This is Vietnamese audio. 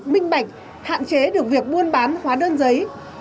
minh bạch hạn chế được việc buôn bán hóa đơn giấy